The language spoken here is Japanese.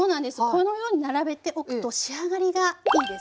このように並べておくと仕上がりがいいですね。